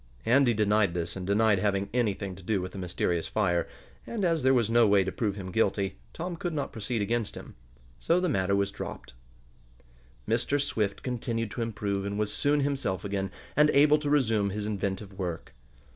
Andy denied this and denied having anything to do with the mysterious fire, and, as there was no way to prove him guilty, Tom could not proceed against him. So the matter was dropped. Mr. Swift continued to improve, and was soon himself again, and able to resume his inventive work.